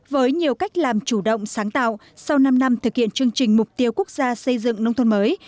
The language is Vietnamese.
với nhiều cách làm chủ động sáng tạo sau năm năm thực hiện chương trình mục tiêu quốc gia xây dựng nông thôn mới